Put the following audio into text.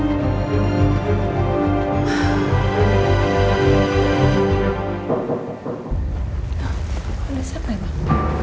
udah siapa ya bang